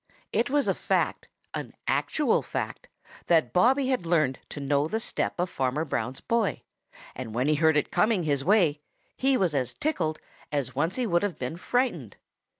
It was a fact, an actual fact, that Bobby had learned to know the step of Farmer Brown's boy, and when he heard it coming his way, he was as tickled as once he would have been frightened.